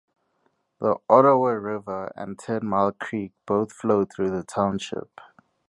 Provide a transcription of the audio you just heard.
The Ottawa River and Ten Mile Creek both flow through the township.